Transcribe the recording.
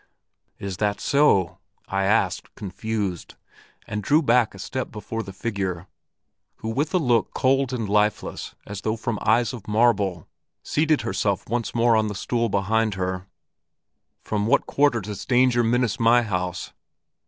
'Is that so?' I asked confused, and drew back a step before the figure, who with a look cold and lifeless as though from eyes of marble, seated herself once more on the stool behind her; 'from what quarter does danger menace my house?'